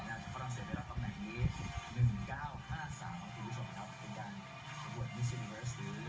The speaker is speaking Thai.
สำหรับชิคกี้พายที่สำนักศึกษาฝรั่งเศสได้รับตำแหน่ง๑๙๕๓ของคุณผู้ชมครับ